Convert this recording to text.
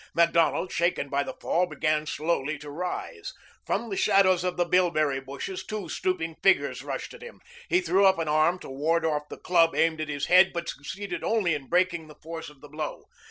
Macdonald, shaken by the fall, began slowly to rise. From the shadows of the bilberry bushes two stooping figures rushed at him. He threw up an arm to ward off the club aimed at his head, but succeeded only in breaking the force of the blow.